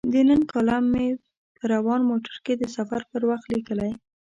د نن کالم مې په روان موټر کې د سفر پر وخت لیکلی.